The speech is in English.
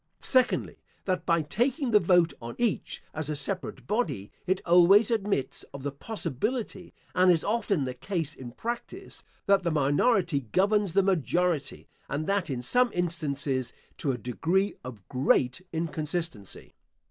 Secondly, That by taking the vote on each, as a separate body, it always admits of the possibility, and is often the case in practice, that the minority governs the majority, and that, in some instances, to a degree of great inconsistency.